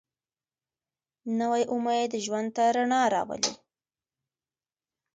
نوی امید ژوند ته رڼا راولي